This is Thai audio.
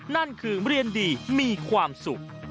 นั่นคือเรียนดีมีความสุข